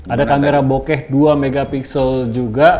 ada kamera bokeh dua megapiksel juga